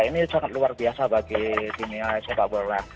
ini sangat luar biasa bagi dunia sepak bola